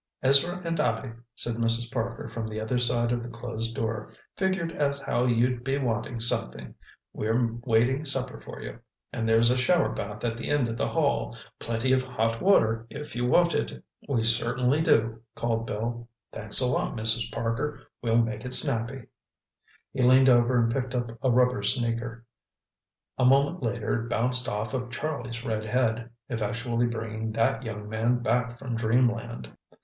"Ezra and I," said Mrs. Parker from the other side of the closed door, "figured as how you'd be wanting something. We're waitin' supper for you. And there's a showerbath at the end of the hall—plenty of hot water if you want it." "We certainly do," called Bill, "thanks a lot, Mrs. Parker. We'll make it snappy." He leaned over and picked up a rubber sneaker. A moment later it bounced off of Charlie's red head, effectually bringing that young man back from dreamland.